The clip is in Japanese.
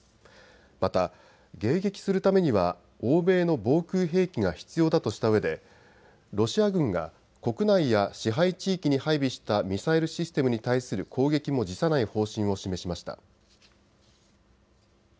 また迎撃するためには欧米の防空兵器が必要だとしたうえでロシア軍が国内や支配地域に配備したミサイルシステムに対する攻撃も辞さない方針を示しました。